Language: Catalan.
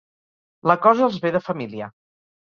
La cosa els ve de família.